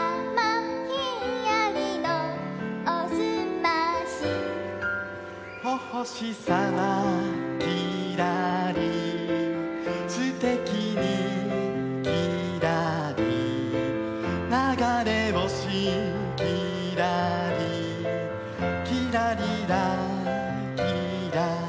「ひんやりのおすまし」「お星さまきらり」「すてきにきらり」「ながれ星きらり」「きらりらきらりん」